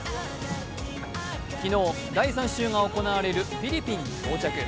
昨日、第３週が行われるフィリピンに到着。